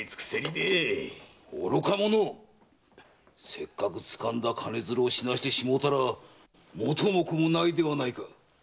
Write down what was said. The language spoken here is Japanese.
せっかく掴んだ金づるを死なせてしもうたら元も子もない。